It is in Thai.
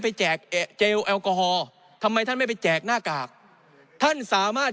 แจกเจลแอลกอฮอล์ทำไมท่านไม่ไปแจกหน้ากากท่านสามารถ